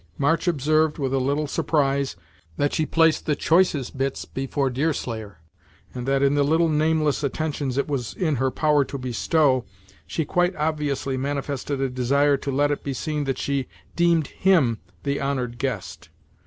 March observed, with a little surprise, that she placed the choicest bits before Deerslayer, and that in the little nameless attentions it was in her power to bestow, she quite obviously manifested a desire to let it be seen that she deemed him the honored guest.